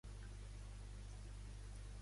Quins assumptes volia comentar Colau?